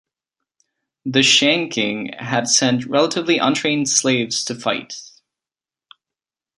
The Shang King had sent relatively untrained slaves to fight.